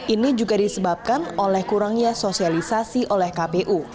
ini juga disebabkan oleh kurangnya sosialisasi oleh kpu